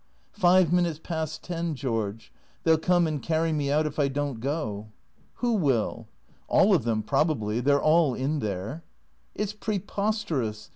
Five minutes past ten, George. They '11 come and carry me out if I don't go." "Who will?" " All of them, probably. They 're all in there." " It 's preposterous.